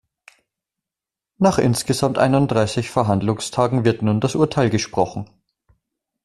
Nach insgesamt einunddreißig Verhandlungstagen wird nun das Urteil gesprochen.